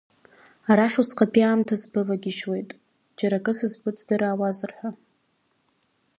Арахь убасҟатәи аамҭа сбывагьежьуеит, џьара ак сызбыҵдраауазар ҳәа.